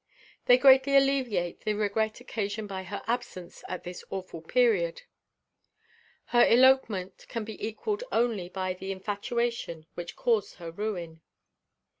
They greatly alleviate the regret occasioned by her absence at this awful period. Her elopement can be equalled only by the infatuation which caused her ruin.